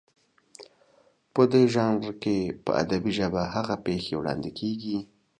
په دې ژانر کې په ادبي ژبه هغه پېښې وړاندې کېږي